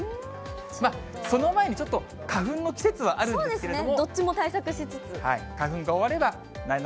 その前にちょっと、花粉の季節はあるんですけれども。